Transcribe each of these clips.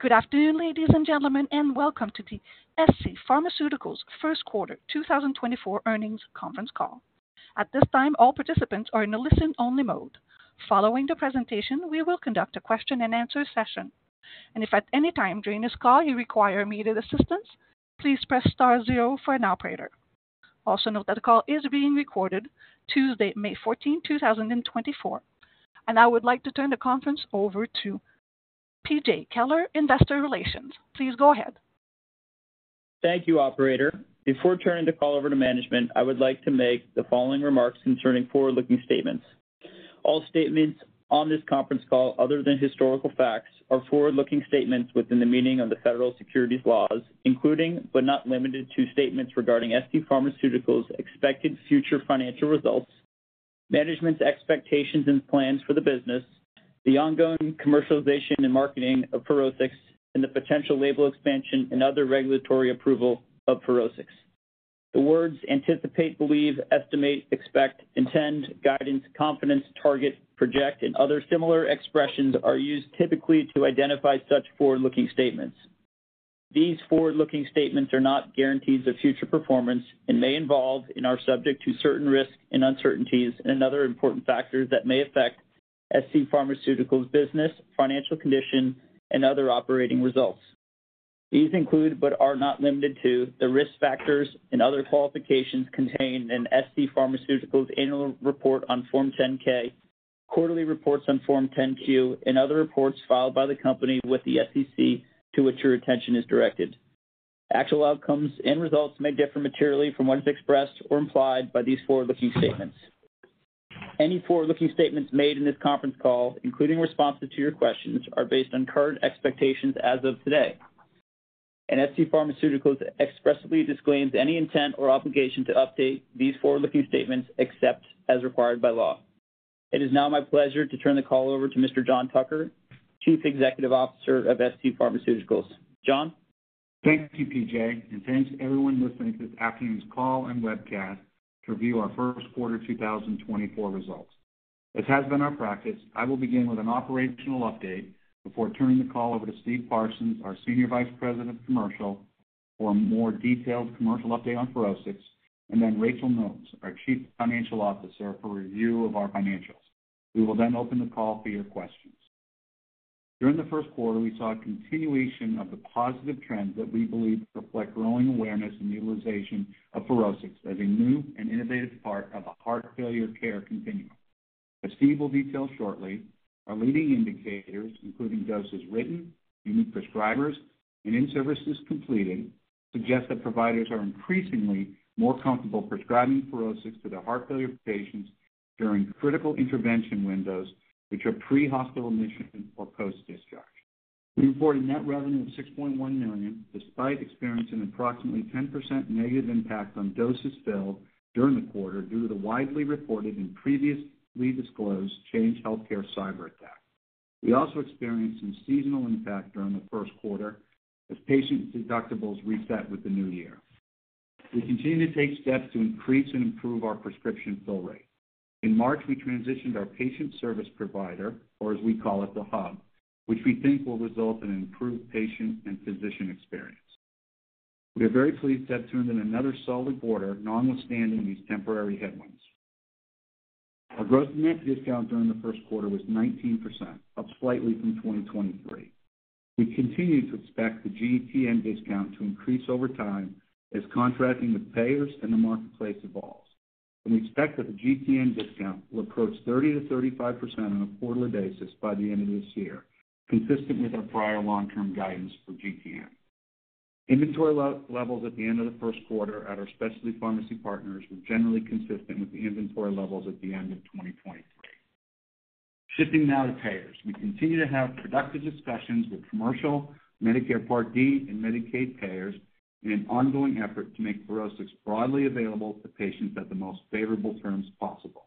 Good afternoon, ladies and gentlemen, and welcome to the scPharmaceuticals First Quarter 2024 Earnings Conference Call. At this time, all participants are in a listen-only mode. Following the presentation, we will conduct a question-and-answer session. If at any time during this call you require immediate assistance, please press star zero for an operator. Also note that the call is being recorded Tuesday, May 14, 2024. I would like to turn the conference over to PJ Kelleher, Investor Relations. Please go ahead. Thank you, operator. Before turning the call over to management, I would like to make the following remarks concerning forward-looking statements. All statements on this conference call other than historical facts are forward-looking statements within the meaning of the Federal Securities laws, including but not limited to, statements regarding scPharmaceuticals expected future financial results, management's expectations and plans for the business, the ongoing commercialization and marketing of FUROSCIX, and the potential label expansion and other regulatory approval of FUROSCIX. The words anticipate, believe, estimate, expect, intend, guidance, confidence, target, project, and other similar expressions are used typically to identify such forward-looking statements. These forward-looking statements are not guarantees of future performance and may involve and are subject to certain risks and uncertainties and other important factors that may affect scPharmaceuticals business, financial condition, and other operating results. These include, but are not limited to, the risk factors and other qualifications contained in scPharmaceuticals' annual report on Form 10-K, quarterly reports on Form 10-Q, and other reports filed by the company with the SEC to which your attention is directed. Actual outcomes and results may differ materially from what is expressed or implied by these forward-looking statements. Any forward-looking statements made in this conference call, including responses to your questions, are based on current expectations as of today, and scPharmaceuticals expressly disclaims any intent or obligation to update these forward-looking statements except as required by law. It is now my pleasure to turn the call over to Mr. John Tucker, Chief Executive Officer of scPharmaceuticals. John? Thank you, PJ, and thanks to everyone listening to this afternoon's call and webcast to review our first quarter 2024 results. As has been our practice, I will begin with an operational update before turning the call over to Steve Parsons, our Senior Vice President of Commercial, for a more detailed commercial update on FUROSCIX, and then Rachael Nokes, our Chief Financial Officer, for review of our financials. We will then open the call for your questions. During the first quarter, we saw a continuation of the positive trend that we believe reflect growing awareness and utilization of FUROSCIX as a new and innovative part of a heart failure care continuum. As Steve will detail shortly, our leading indicators, including doses written, unique prescribers, and in-services completed, suggest that providers are increasingly more comfortable prescribing FUROSCIX to their heart failure patients during critical intervention windows, which are pre-hospital admission or post-discharge. We reported net revenue of $6.1 million, despite experiencing approximately 10% negative impact on doses filled during the quarter due to the widely reported and previously disclosed Change Healthcare cyber attack. We also experienced some seasonal impact during the first quarter as patient deductibles reset with the new year. We continue to take steps to increase and improve our prescription fill rate. In March, we transitioned our patient service provider, or as we call it, the hub, which we think will result in an improved patient and physician experience. We are very pleased that turned in another solid quarter, notwithstanding these temporary headwinds. Our gross-to-net discount during the first quarter was 19%, up slightly from 2023. We continue to expect the GTN discount to increase over time as contracting with payers and the marketplace evolves. We expect that the GTN discount will approach 30%-35% on a quarterly basis by the end of this year, consistent with our prior long-term guidance for GTN. Inventory levels at the end of the first quarter at our specialty pharmacy partners were generally consistent with the inventory levels at the end of 2023. Shifting now to payers. We continue to have productive discussions with commercial, Medicare Part D and Medicaid payers in an ongoing effort to make FUROSCIX broadly available to patients at the most favorable terms possible.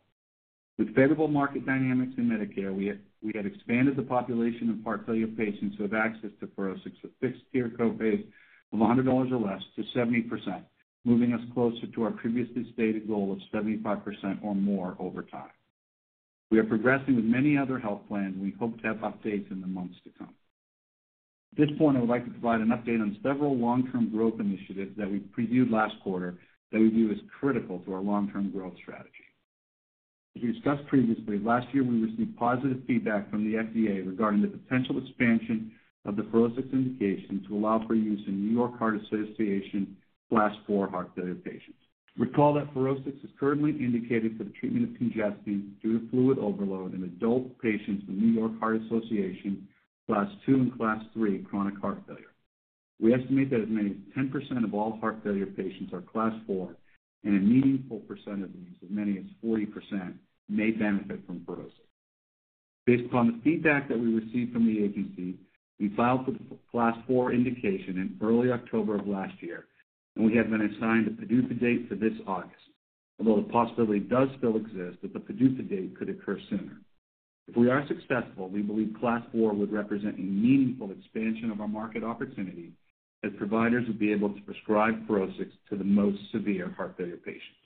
With favorable market dynamics in Medicare, we have expanded the population of heart failure patients who have access to FUROSCIX, a fixed tier copay of $100 or less to 70%, moving us closer to our previously stated goal of 75% or more over time. We are progressing with many other health plans, and we hope to have updates in the months to come. At this point, I would like to provide an update on several long-term growth initiatives that we previewed last quarter that we view as critical to our long-term growth strategy. As we discussed previously, last year we received positive feedback from the FDA regarding the potential expansion of the FUROSCIX indication to allow for use in New York Heart Association Class IV heart failure patients. Recall that FUROSCIX is currently indicated for the treatment of congestion due to fluid overload in adult patients with New York Heart Association Class II and Class III chronic heart failure. We estimate that as many as 10% of all heart failure patients are Class IV, and a meaningful percent of these, as many as 40%, may benefit from FUROSCIX. Based upon the feedback that we received from the agency, we filed for the Class IV indication in early October of last year, and we have been assigned a PDUFA date for this August, although the possibility does still exist that the PDUFA date could occur sooner. If we are successful, we believe Class IV would represent a meaningful expansion of our market opportunity, as providers would be able to prescribe FUROSCIX to the most severe heart failure patients.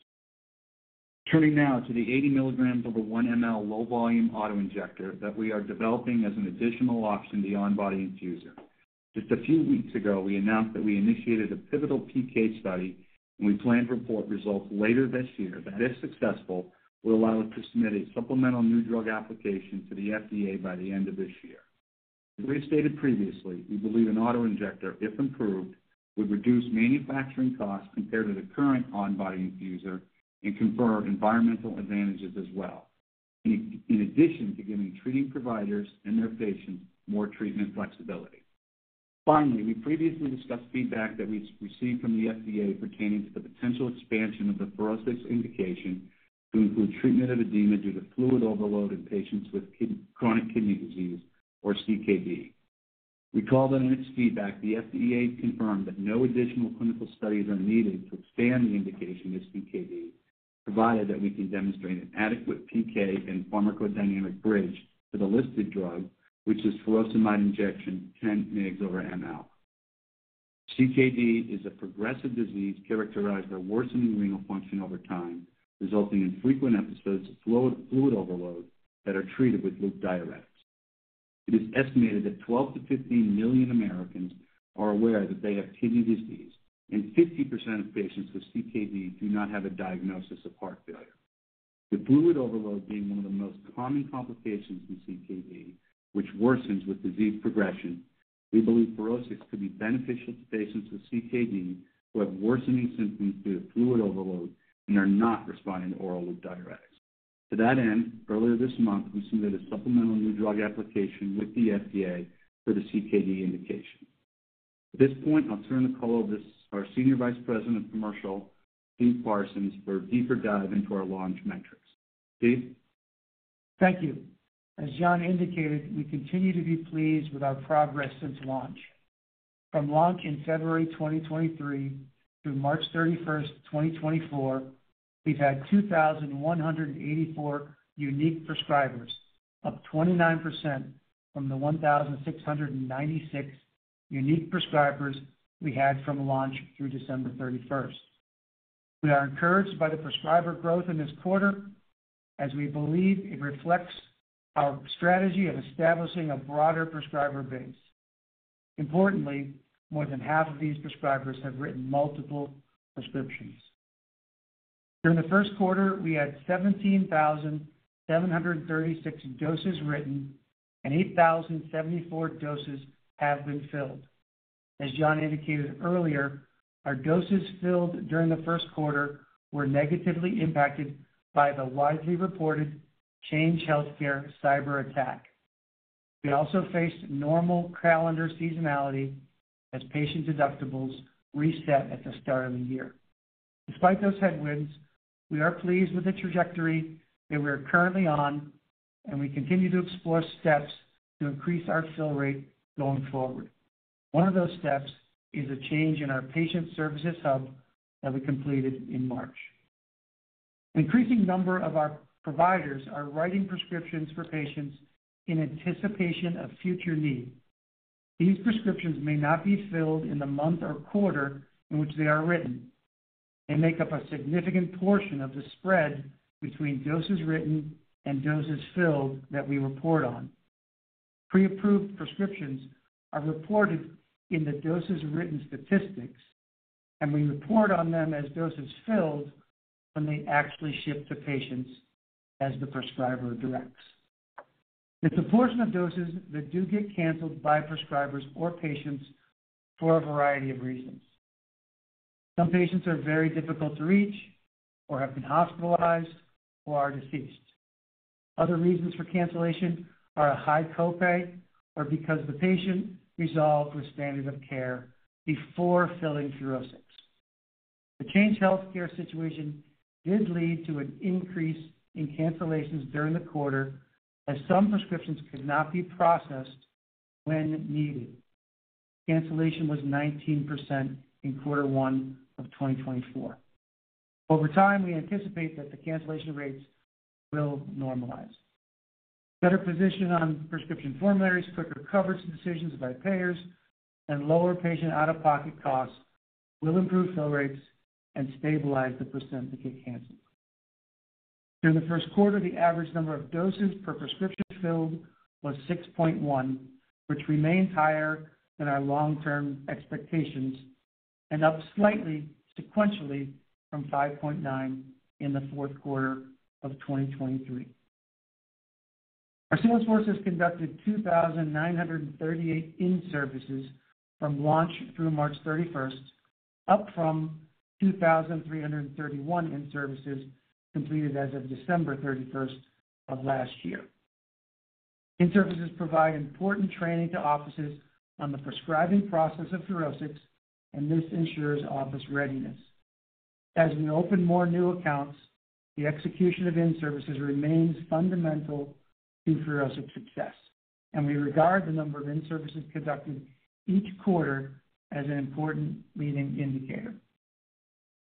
Turning now to the 80 mg over 1 ml low-volume auto-injector that we are developing as an additional option to the on-body infusor. Just a few weeks ago, we announced that we initiated a pivotal PK study, and we plan to report results later this year, that, if successful, will allow us to submit a supplemental new drug application to the FDA by the end of this year. As we have stated previously, we believe an auto-injector, if approved, would reduce manufacturing costs compared to the current on-body infusor and confer environmental advantages as well. In addition to giving treating providers and their patients more treatment flexibility. Finally, we previously discussed feedback that we received from the FDA pertaining to the potential expansion of the FUROSCIX indication to include treatment of edema due to fluid overload in patients with chronic kidney disease, or CKD. We recall that in its feedback, the FDA confirmed that no additional clinical studies are needed to expand the indication to CKD, provided that we can demonstrate an adequate PK and pharmacodynamic bridge to the listed drug, which is furosemide injection, 10 mg/ml. CKD is a progressive disease characterized by worsening renal function over time, resulting in frequent episodes of fluid overload that are treated with loop diuretics. It is estimated that 12-15 million Americans are aware that they have kidney disease, and 50% of patients with CKD do not have a diagnosis of heart failure. With fluid overload being one of the most common complications in CKD, which worsens with disease progression, we believe FUROSCIX could be beneficial to patients with CKD who have worsening symptoms due to fluid overload and are not responding to oral loop diuretics. To that end, earlier this month, we submitted a Supplemental New Drug Application with the FDA for the CKD indication. At this point, I'll turn the call over to our Senior Vice President of Commercial, Steve Parsons, for a deeper dive into our launch metrics. Steve? Thank you. As John indicated, we continue to be pleased with our progress since launch. From launch in February 2023 through March 31st, 2024, we've had 2,184 unique prescribers, up 29% from the 1,696 unique prescribers we had from launch through December 31st. We are encouraged by the prescriber growth in this quarter, as we believe it reflects our strategy of establishing a broader prescriber base. Importantly, more than half of these prescribers have written multiple prescriptions. During the first quarter, we had 17,736 doses written, and 8,074 doses have been filled. As John indicated earlier, our doses filled during the first quarter were negatively impacted by the widely reported Change Healthcare cyberattack. We also faced normal calendar seasonality as patient deductibles reset at the start of the year. Despite those headwinds, we are pleased with the trajectory that we are currently on, and we continue to explore steps to increase our fill rate going forward. One of those steps is a change in our patient services hub that we completed in March. An increasing number of our providers are writing prescriptions for patients in anticipation of future need. These prescriptions may not be filled in the month or quarter in which they are written and make up a significant portion of the spread between doses written and doses filled that we report on. Pre-approved prescriptions are reported in the doses written statistics, and we report on them as doses filled when they actually ship to patients, as the prescriber directs. It's a portion of doses that do get canceled by prescribers or patients for a variety of reasons. Some patients are very difficult to reach or have been hospitalized or are deceased. Other reasons for cancellation are a high copay or because the patient resolved with standard of care before filling FUROSCIX. The Change Healthcare situation did lead to an increase in cancellations during the quarter, as some prescriptions could not be processed when needed. Cancellation was 19% in quarter one of 2024. Over time, we anticipate that the cancellation rates will normalize. Better position on prescription formularies, quicker coverage decisions by payers, and lower patient out-of-pocket costs will improve fill rates and stabilize the percent that get canceled. During the first quarter, the average number of doses per prescription filled was 6.1, which remains higher than our long-term expectations and up slightly sequentially from 5.9 in the fourth quarter of 2023. Our sales force has conducted 2,938 in-services from launch through March 31, up from 2,331 in-services completed as of December 31 of last year. In-services provide important training to offices on the prescribing process of FUROSCIX, and this ensures office readiness. As we open more new accounts, the execution of in-services remains fundamental to FUROSCIX success, and we regard the number of in-services conducted each quarter as an important leading indicator.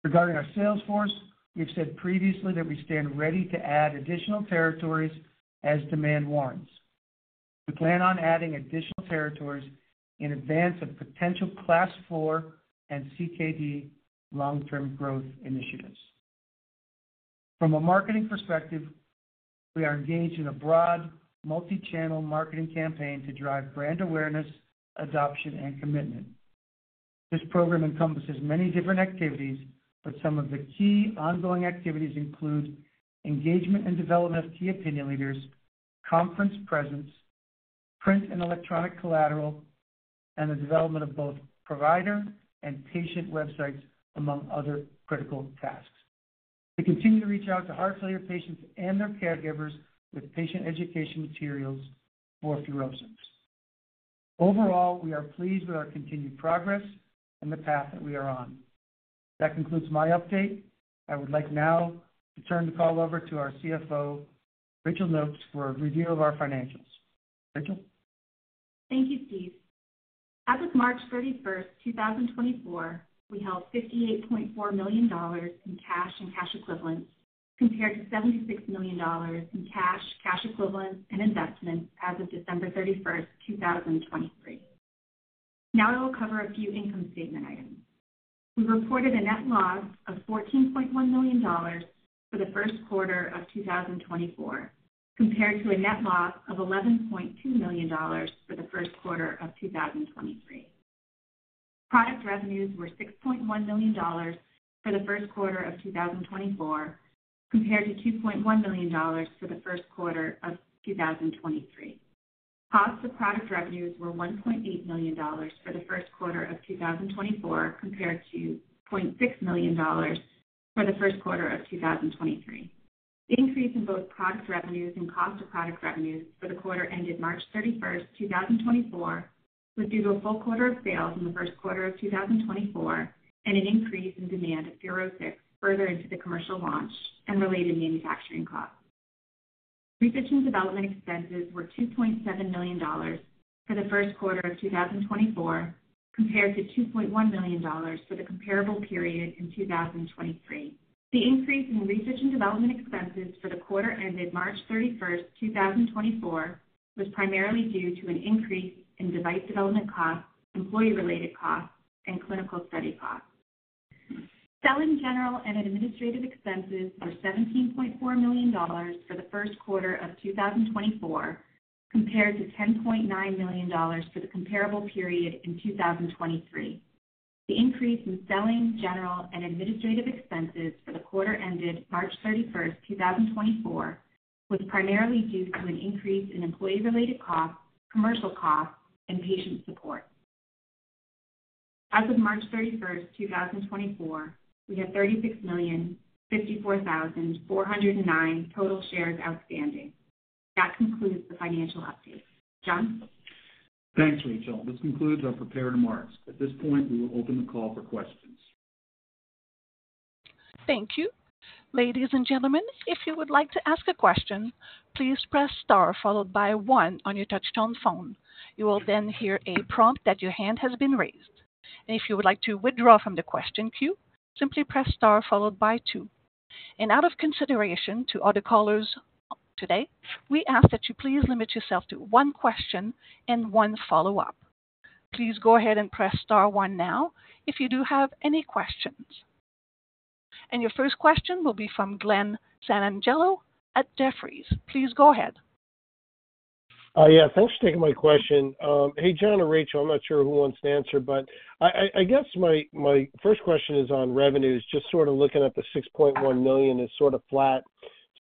Regarding our sales force, we've said previously that we stand ready to add additional territories as demand warrants.... We plan on adding additional territories in advance of potential Class IV and CKD long-term growth initiatives. From a marketing perspective, we are engaged in a broad, multi-channel marketing campaign to drive brand awareness, adoption, and commitment. This program encompasses many different activities, but some of the key ongoing activities include engagement and development of key opinion leaders, conference presence, print and electronic collateral, and the development of both provider and patient websites, among other critical tasks. We continue to reach out to heart failure patients and their caregivers with patient education materials for FUROSCIX. Overall, we are pleased with our continued progress and the path that we are on. That concludes my update. I would like now to turn the call over to our CFO, Rachael Nokes, for a review of our financials. Rachael? Thank you, Steve. As of March 31, 2024, we held $58.4 million in cash and cash equivalents, compared to $76 million in cash, cash equivalents, and investments as of December 31, 2023. Now I will cover a few income statement items. We reported a net loss of $14.1 million for the first quarter of 2024, compared to a net loss of $11.2 million for the first quarter of 2023. Product revenues were $6.1 million for the first quarter of 2024, compared to $2.1 million for the first quarter of 2023. Cost of product revenues were $1.8 million for the first quarter of 2024, compared to $0.6 million for the first quarter of 2023. The increase in both product revenues and cost of product revenues for the quarter ended March 31, 2024, was due to a full quarter of sales in the first quarter of 2024, and an increase in demand at FUROSCIX further into the commercial launch and related manufacturing costs. Research and development expenses were $2.7 million for the first quarter of 2024, compared to $2.1 million for the comparable period in 2023. The increase in research and development expenses for the quarter ended March 31, 2024, was primarily due to an increase in device development costs, employee-related costs, and clinical study costs. Selling, general, and administrative expenses were $17.4 million for the first quarter of 2024, compared to $10.9 million for the comparable period in 2023. The increase in selling, general, and administrative expenses for the quarter ended March 31, 2024, was primarily due to an increase in employee-related costs, commercial costs, and patient support. As of March 31, 2024, we had 36,054,409 total shares outstanding. That concludes the financial update. John? Thanks, Rachael. This concludes our prepared remarks. At this point, we will open the call for questions. Thank you. Ladies and gentlemen, if you would like to ask a question, please press star followed by one on your touchtone phone. You will then hear a prompt that your hand has been raised, and if you would like to withdraw from the question queue, simply press star followed by two. Out of consideration to other callers today, we ask that you please limit yourself to one question and one follow-up. Please go ahead and press star one now if you do have any questions. Your first question will be from Glen Santangelo at Jefferies. Please go ahead. Yeah, thanks for taking my question. Hey, John or Rachael, I'm not sure who wants to answer, but I guess my first question is on revenues. Just sort of looking at the $6.1 million is sort of flat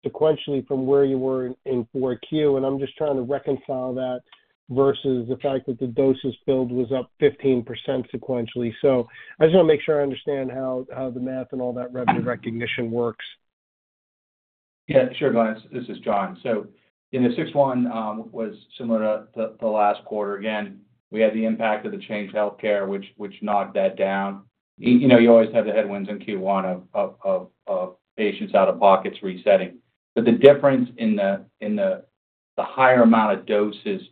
sequentially from where you were in 4Q, and I'm just trying to reconcile that versus the fact that the doses filled was up 15% sequentially. So I just wanna make sure I understand how the math and all that revenue recognition works. Yeah, sure, Glen. This is John. So in the Q1 was similar to the last quarter. Again, we had the impact of the Change Healthcare, which knocked that down. You know, you always have the headwinds in Q1 of patients out-of-pockets resetting. But the difference in the higher amount of doses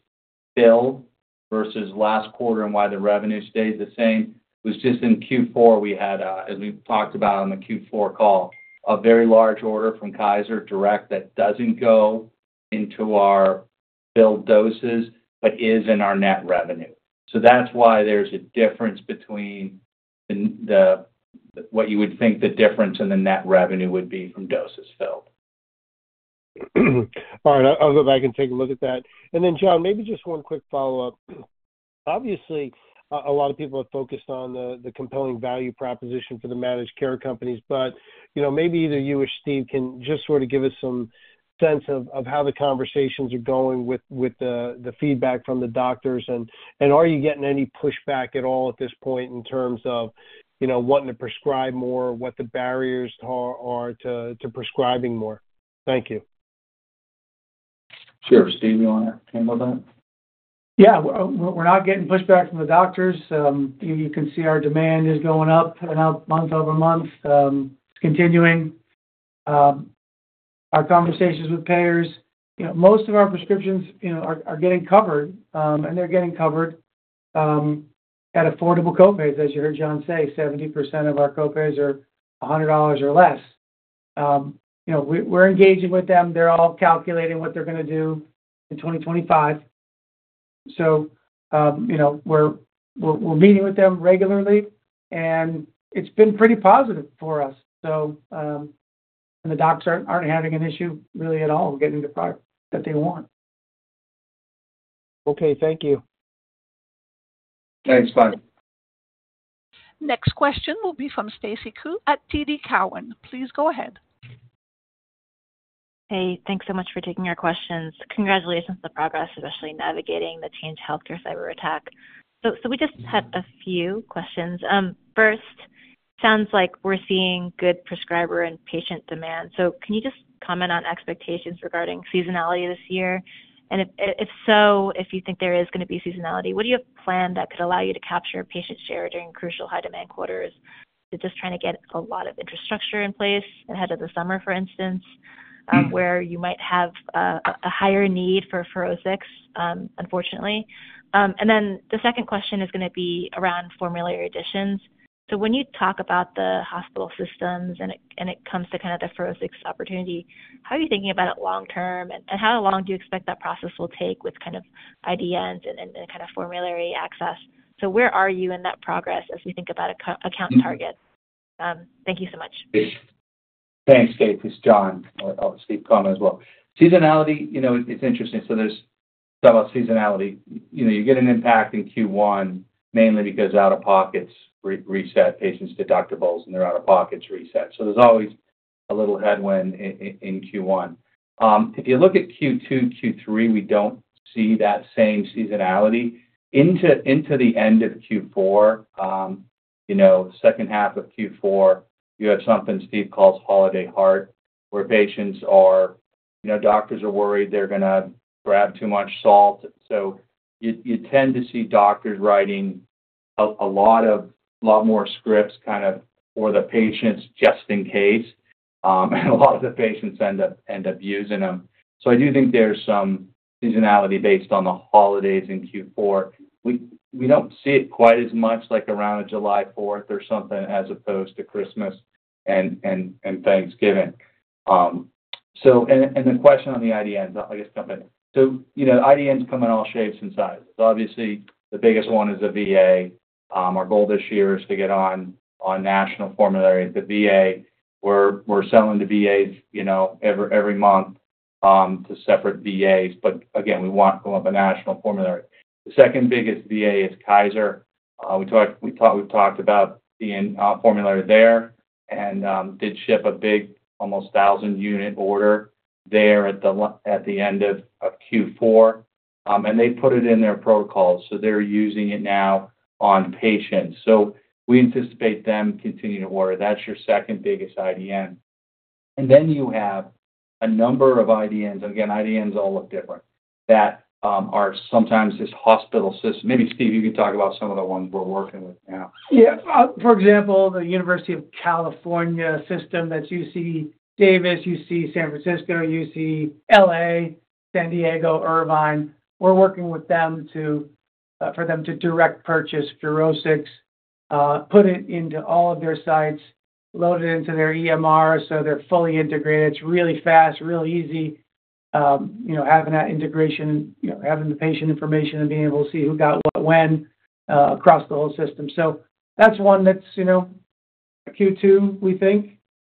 billed versus last quarter and why the revenue stayed the same, was just in Q4 we had, as we talked about on the Q4 call, a very large order from Kaiser Direct that doesn't go into our billed doses, but is in our net revenue. So that's why there's a difference between what you would think the difference in the net revenue would be from doses filled. All right, I'll go back and take a look at that. And then, John, maybe just one quick follow-up. Obviously, a lot of people are focused on the, the compelling value proposition for the managed care companies, but, you know, maybe either you or Steve can just sort of give us some sense of, of how the conversations are going with, with the, the feedback from the doctors. And, and are you getting any pushback at all at this point in terms of, you know, wanting to prescribe more, what the barriers are, are to, to prescribing more? Thank you. Sure, Steve, you wanna handle that? Yeah. We're not getting pushback from the doctors. You can see our demand is going up and up, month-over-month. Continuing our conversations with payers. You know, most of our prescriptions are getting covered, and they're getting covered at affordable copays. As you heard John say, 70% of our copays are $100 or less. You know, we're engaging with them. They're all calculating what they're gonna do in 2025. So, you know, we're meeting with them regularly, and it's been pretty positive for us. So, and the docs aren't having an issue really at all getting the product that they want. Okay, thank you. Thanks, bye. Next question will be from Stacy Ku at TD Cowen. Please go ahead. Hey, thanks so much for taking our questions. Congratulations on the progress, especially navigating the Change Healthcare cyberattack. So, we just had a few questions. First, sounds like we're seeing good prescriber and patient demand. So can you just comment on expectations regarding seasonality this year? And if so, if you think there is gonna be seasonality, what do you have planned that could allow you to capture patient share during crucial high-demand quarters? You're just trying to get a lot of infrastructure in place ahead of the summer, for instance- where you might have a, a higher need for FUROSCIX, unfortunately. And then the second question is gonna be around formulary additions. So when you talk about the hospital systems, and it, and it comes to kind of the FUROSCIX opportunity, how are you thinking about it long term, and, and how long do you expect that process will take with kind of IDNs and, and, and kind of formulary access? So where are you in that progress as we think about account targets? Thank you so much. Thanks, Stacy. It's John. I'll speak comment as well. Seasonality, you know, it's interesting, so there's several seasonality. You know, you get an impact in Q1, mainly because out-of-pockets reset, patients' deductibles and their out-of-pockets reset. So there's always a little headwind in Q1. If you look at Q2, Q3, we don't see that same seasonality. Into the end of Q4, you know, second half of Q4, you have something Steve calls holiday heart, where patients are, you know, doctors are worried they're gonna grab too much salt. So you tend to see doctors writing a lot more scripts, kind of, for the patients, just in case, and a lot of the patients end up using them. So I do think there's some seasonality based on the holidays in Q4. We don't see it quite as much like around July 4th or something, as opposed to Christmas and Thanksgiving. So the question on the IDNs, I guess jump in. So, you know, IDNs come in all shapes and sizes. Obviously, the biggest one is the VA. Our goal this year is to get on national formulary. The VA, we're selling to VAs, you know, every month to separate VAs, but again, we want to go up a national formulary. The second biggest VA is Kaiser. We've talked about the formulary there and did ship a big, almost 1,000-unit order there at the end of Q4. And they put it in their protocols, so they're using it now on patients. So we anticipate them continuing to order. That's your second-biggest IDN. And then you have a number of IDNs, again, IDNs all look different, that are sometimes this hospital system. Maybe, Steve, you can talk about some of the ones we're working with now. Yeah. For example, the University of California system, that's UC Davis, UC San Francisco, UCLA, San Diego, Irvine. We're working with them to for them to direct purchase FUROSCIX, put it into all of their sites, load it into their EMR so they're fully integrated. It's really fast, real easy, you know, having that integration, you know, having the patient information and being able to see who got what, when, across the whole system. So that's one that's, you know, Q2,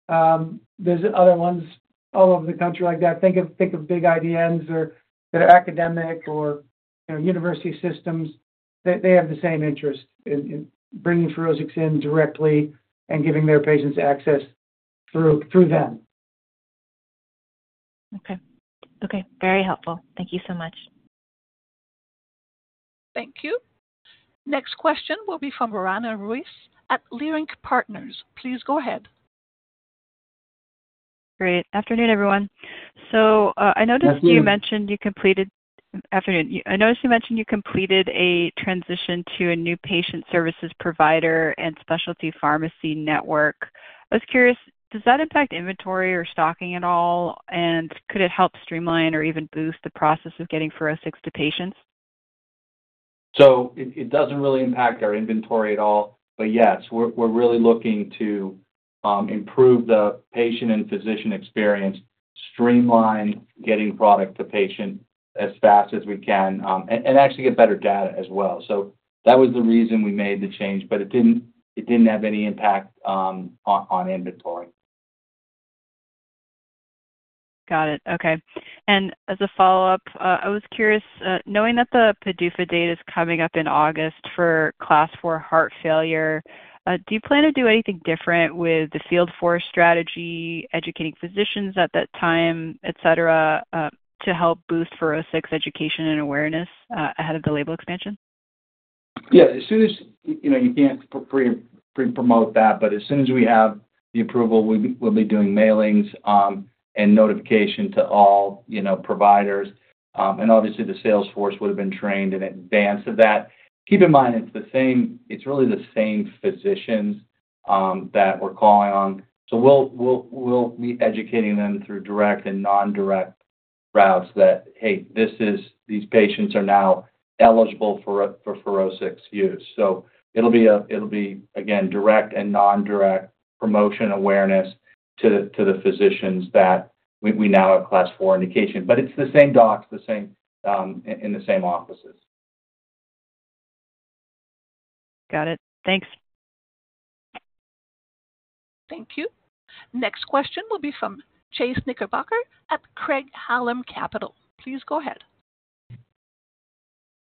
we think. There's other ones all over the country like that. Think of, think of big IDNs or that are academic or, you know, university systems. They, they have the same interest in, in bringing FUROSCIX in directly and giving their patients access through, through them. Okay. Okay, very helpful. Thank you so much. Thank you. Next question will be from Roanna Ruiz at Leerink Partners. Please go ahead. Great. Afternoon, everyone. Good afternoon. I noticed you mentioned you completed a transition to a new patient services provider and specialty pharmacy network. I was curious, does that impact inventory or stocking at all? And could it help streamline or even boost the process of getting FUROSCIX to patients? So it doesn't really impact our inventory at all, but yes, we're really looking to improve the patient and physician experience, streamline getting product to patient as fast as we can, and actually get better data as well. So that was the reason we made the change, but it didn't have any impact on inventory. Got it. Okay. And as a follow-up, I was curious, knowing that the PDUFA date is coming up in August for Class IV heart failure, do you plan to do anything different with the field force strategy, educating physicians at that time, et cetera, to help boost FUROSCIX education and awareness, ahead of the label expansion? Yeah, as soon as, you know, you can't pre-promote that, but as soon as we have the approval, we'll be doing mailings and notification to all, you know, providers. And obviously, the sales force would have been trained in advance of that. Keep in mind, it's the same—it's really the same physicians that we're calling on, so we'll be educating them through direct and non-direct routes that, hey, this is, these patients are now eligible for FUROSCIX use. So it'll be, again, direct and non-direct promotion awareness to the physicians that we now have Class IV indication, but it's the same docs, the same in the same offices. Got it. Thanks. Thank you. Next question will be from Chase Knickerbocker at Craig-Hallum Capital. Please go ahead.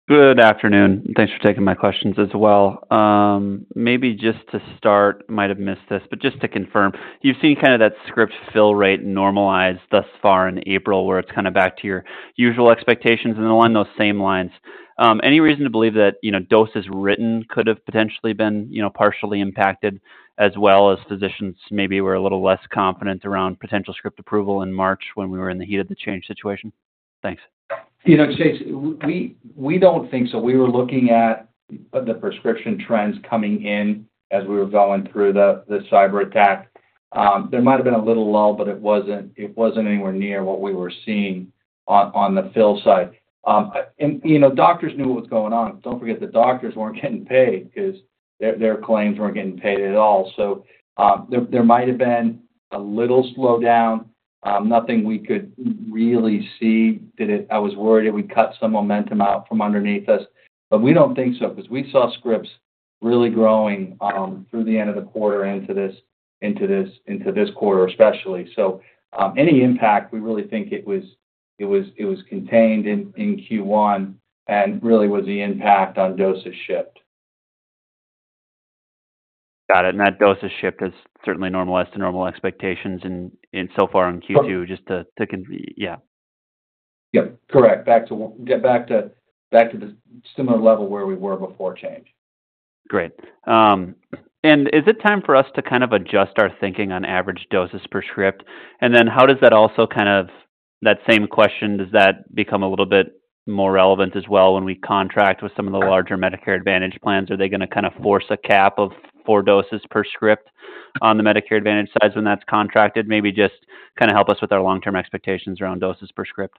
Good afternoon. Thanks for taking my questions as well. Maybe just to start, might have missed this, but just to confirm, you've seen kinda that script fill rate normalize thus far in April, where it's kinda back to your usual expectations. And along those same lines, any reason to believe that, you know, doses written could have potentially been, you know, partially impacted, as well as physicians maybe were a little less confident around potential script approval in March when we were in the heat of the change situation? Thanks. You know, Chase, we don't think so. We were looking at the prescription trends coming in as we were going through the cyberattack. There might have been a little lull, but it wasn't anywhere near what we were seeing on the fill side. And, you know, doctors knew what was going on. Don't forget, the doctors weren't getting paid 'cause their claims weren't getting paid at all. So, there might have been a little slowdown, nothing we could really see that it. I was worried it would cut some momentum out from underneath us, but we don't think so, 'cause we saw scripts really growing through the end of the quarter into this quarter, especially. So, any impact, we really think it was contained in Q1 and really was the impact on doses shipped. Got it. And that doses shipped has certainly normalized to normal expectations so far in Q2, just to -- yeah. Yep, correct. Back to, get back to, back to the similar level where we were before Change. Great. Is it time for us to kind of adjust our thinking on average doses per script? Then how does that also kind of, that same question, does that become a little bit more relevant as well when we contract with some of the larger Medicare Advantage plans? Are they gonna kind of force a cap of 4 doses per script on the Medicare Advantage side when that's contracted? Maybe just kind of help us with our long-term expectations around doses per script.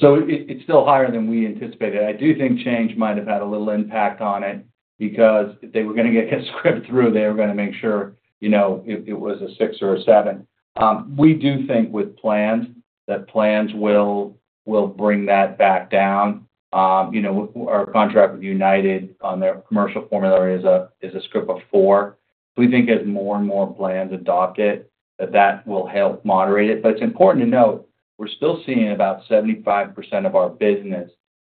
So it, it's still higher than we anticipated. I do think Change might have had a little impact on it because if they were gonna get a script through, they were gonna make sure, you know, it, it was a six or a seven. We do think with plans, that plans will, will bring that back down. You know, our contract with United on their commercial formulary is a, is a script of four. We think as more and more plans adopt it, that that will help moderate it. But it's important to note, we're still seeing about 75% of our business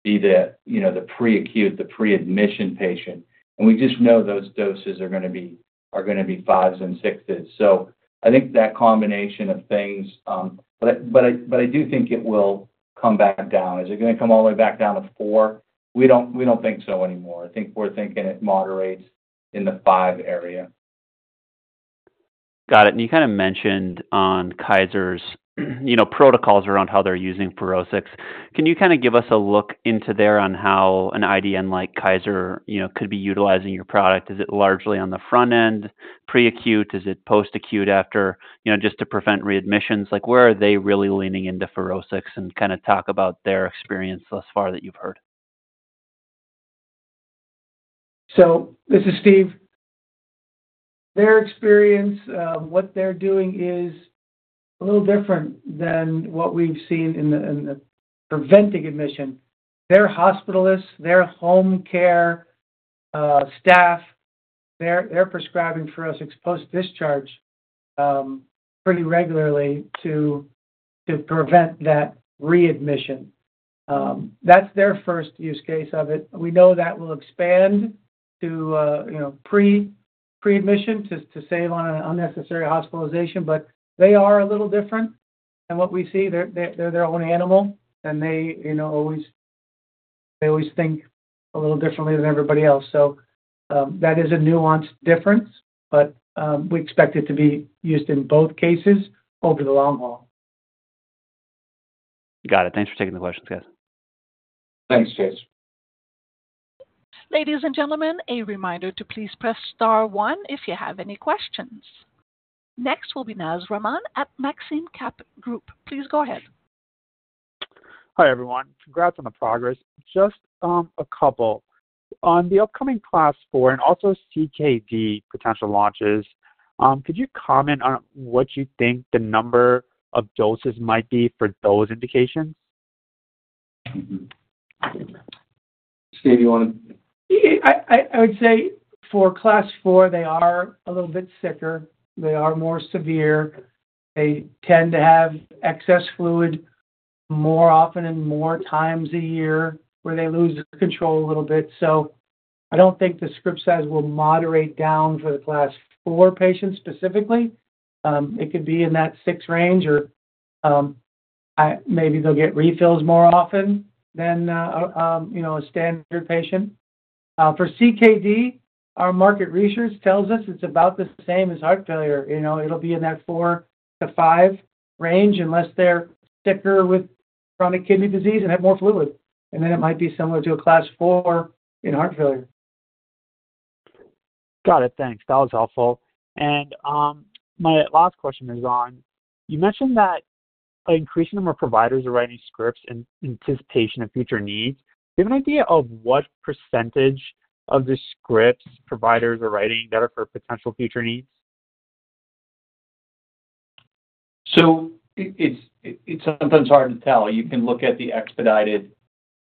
be the, you know, the pre-acute, the pre-admission patient, and we just know those doses are gonna be, are gonna be 5s and 6s. So I think that combination of things. But I, but I, but I do think it will come back down. Is it gonna come all the way back down to four? We don't, we don't think so anymore. I think we're thinking it moderates in the five area. Got it. And you kinda mentioned on Kaiser's, you know, protocols around how they're using FUROSCIX. Can you kinda give us a look into there on how an IDN like Kaiser, you know, could be utilizing your product? Is it largely on the front end, pre-acute? Is it post-acute after, you know, just to prevent readmissions? Like, where are they really leaning into FUROSCIX? And kinda talk about their experience thus far that you've heard. So this is Steve. Their experience, what they're doing is a little different than what we've seen in the preventing admission. Their hospitalists, their home care staff, they're prescribing for post-discharge pretty regularly to prevent that readmission. That's their first use case of it. We know that will expand to, you know, pre-admission to save on an unnecessary hospitalization. But they are a little different than what we see. They're their own animal, and they, you know, always think a little differently than everybody else. So, that is a nuanced difference, but we expect it to be used in both cases over the long haul. Got it. Thanks for taking the questions, guys. Thanks, Chase. Ladies and gentlemen, a reminder to please press star one if you have any questions. Next will be Naz Rahman at Maxim Group. Please go ahead. Hi, everyone. Congrats on the progress. Just, a couple. On the upcoming Class IV and also CKD potential launches, could you comment on what you think the number of doses might be for those indications? Mm-hmm. Steve, you wanna- I would say for Class four, they are a little bit sicker. They are more severe. They tend to have excess fluid more often and more times a year, where they lose control a little bit. So I don't think the script size will moderate down for the Class IV patients specifically. It could be in that 6 range or, maybe they'll get refills more often than, you know, a standard patient. For CKD, our market research tells us it's about the same as heart failure. You know, it'll be in that 4-5 range, unless they're sicker with chronic kidney disease and have more fluid, and then it might be similar to a Class IV in heart failure. Got it. Thanks. That was helpful. And, my last question is on, you mentioned that an increasing number of providers are writing scripts in anticipation of future needs. Do you have an idea of what percentage of the scripts providers are writing that are for potential future needs? So it's sometimes hard to tell. You can look at the expedited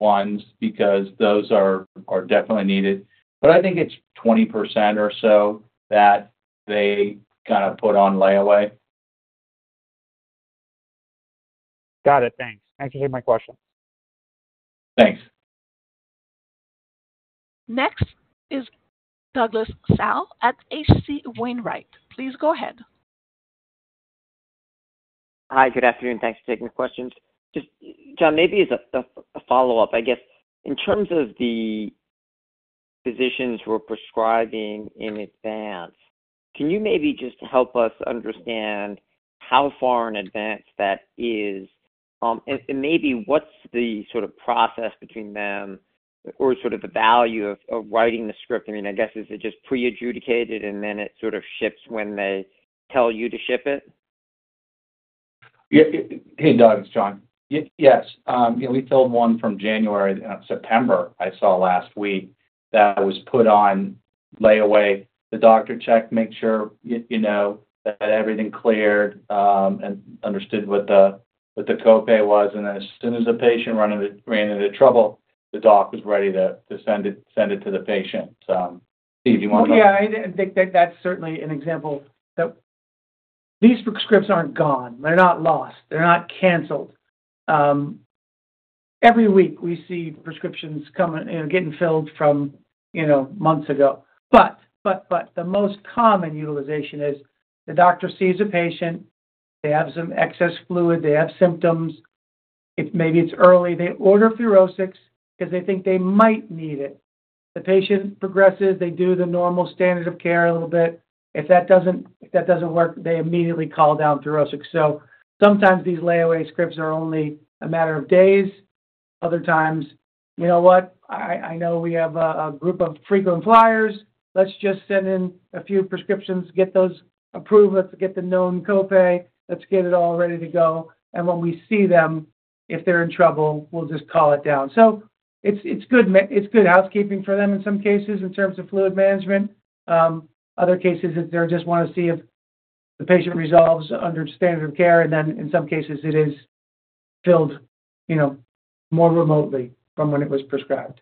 ones because those are definitely needed, but I think it's 20% or so that they kind of put on layaway. Got it. Thanks. Thank you for taking my question. Thanks. Next is Douglas Tsao at H.C. Wainwright. Please go ahead. Hi, good afternoon. Thanks for taking the questions. Just, John, maybe as a follow-up, I guess, in terms of the physicians who are prescribing in advance, can you maybe just help us understand how far in advance that is? And maybe what's the sort of process between them or sort of the value of writing the script? I mean, I guess, is it just pre-adjudicated, and then it sort of ships when they tell you to ship it? Yeah. Hey, Doug, it's John. Yes, you know, we filled one from January, September, I saw last week, that was put on layaway. The doctor checked to make sure, you know, that everything cleared, and understood what the, what the copay was, and then as soon as the patient ran into trouble, the doc was ready to send it to the patient. So, Steve, do you want to- Yeah, I think that's certainly an example that these prescriptions aren't gone. They're not lost. They're not canceled. Every week, we see prescriptions coming, you know, getting filled from, you know, months ago. But the most common utilization is the doctor sees a patient, they have some excess fluid, they have symptoms, it's maybe it's early. They order FUROSCIX because they think they might need it. The patient progresses, they do the normal standard of care a little bit. If that doesn't work, they immediately call down FUROSCIX. So sometimes these layaway scripts are only a matter of days. Other times, you know what? I know we have a group of frequent flyers. Let's just send in a few prescriptions, get those approved. Let's get the known copay. Let's get it all ready to go, and when we see them, if they're in trouble, we'll just call it down. So it's good housekeeping for them in some cases, in terms of fluid management. Other cases, they just want to see if the patient resolves under standard of care, and then in some cases, it is filled, you know, more remotely from when it was prescribed.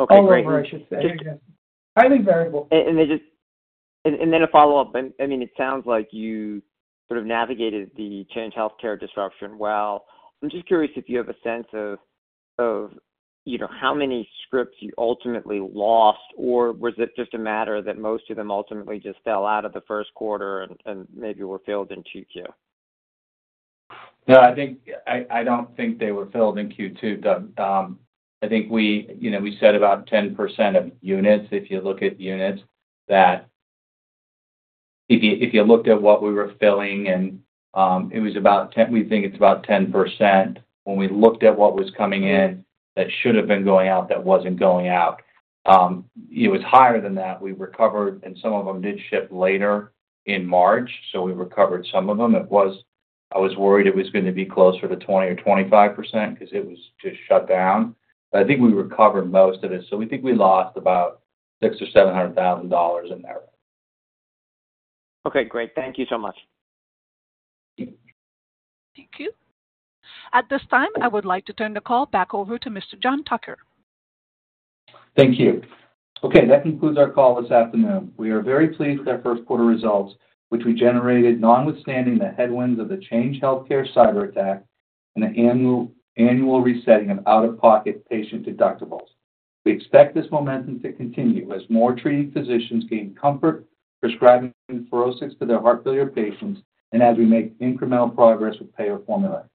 Okay, great. All over, I should say. Highly variable. And then a follow-up. I mean, it sounds like you sort of navigated the Change Healthcare disruption well. I'm just curious if you have a sense of, you know, how many scripts you ultimately lost, or was it just a matter that most of them ultimately just fell out of the first quarter and maybe were filled in 2Q? No, I think I don't think they were filled in Q2, Doug. I think we, you know, we said about 10% of units, if you look at units, that if you, if you looked at what we were filling and, it was about ten-- we think it's about 10%. When we looked at what was coming in, that should have been going out, that wasn't going out. It was higher than that. We recovered, and some of them did ship later in March, so we recovered some of them. I was worried it was going to be closer to 20 or 25% because it was just shut down, but I think we recovered most of it. So we think we lost about $600,000 or $700,000 in there. Okay, great. Thank you so much. Thank you. At this time, I would like to turn the call back over to Mr. John Tucker. Thank you. Okay, that concludes our call this afternoon. We are very pleased with our first quarter results, which we generated notwithstanding the headwinds of the Change Healthcare cyberattack and an annual resetting of out-of-pocket patient deductibles. We expect this momentum to continue as more treating physicians gain comfort prescribing FUROSCIX to their heart failure patients and as we make incremental progress with payer formulary.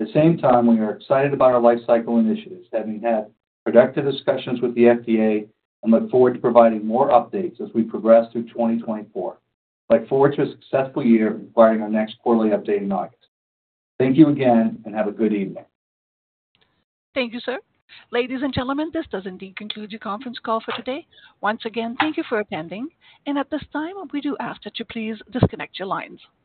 At the same time, we are excited about our lifecycle initiatives, having had productive discussions with the FDA, and look forward to providing more updates as we progress through 2024. Look forward to a successful year, providing our next quarterly update in August. Thank you again, and have a good evening. Thank you, sir. Ladies and gentlemen, this does indeed conclude the conference call for today. Once again, thank you for attending, and at this time, we do ask that you please disconnect your lines.